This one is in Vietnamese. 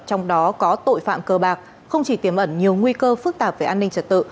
trong đó có tội phạm cơ bạc không chỉ tiềm ẩn nhiều nguy cơ phức tạp về an ninh trật tự